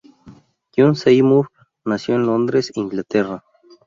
John Seymour nació en Londres, Inglaterra.